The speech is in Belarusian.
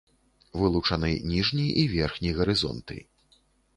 Вылучаны ніжні і верхні гарызонты.